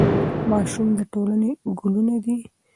ماشومان د ټولنې ګلونه دي.